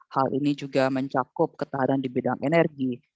hal ini juga mencakup ketahanan di bidang energi